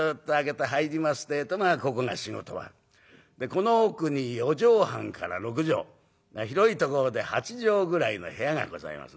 この奥に四畳半から六畳広いところで八畳ぐらいの部屋がございます。